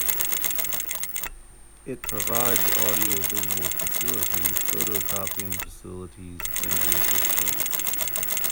It provides audio visual facilities, photo copying facilities, and a book bank.